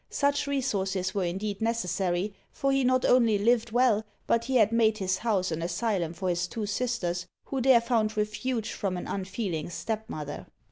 Such resources were indeed necessary, for he not only lived well, but had made his house an asylum for his two sisters, who there found refuge from an unfeeling step mother.